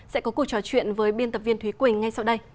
sẽ có cuộc trò chuyện với biên tập viên thúy quỳnh ngay sau đây